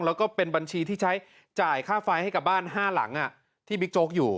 แล้วก็เป็นบัญชีที่ใช้จ่ายค่าไฟให้กับบ้าน๕หลังที่บิ๊กโจ๊กอยู่